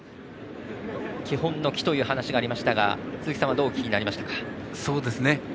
基本の「キ」という話がありましたが鈴木さんはどうお聞きになりましたか？